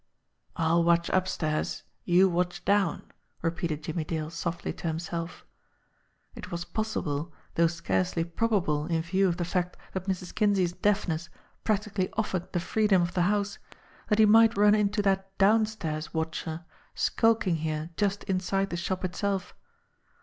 "I'll watch upstairs, you watch down," repeated Jimmie Dale softly to himself. It was possible, though scarcely probable in view of the fact that Mrs. Kinsey's deafness practically offered the free dom of the house, that he might run into that downstairs watcher skulking here just inside the shop itself.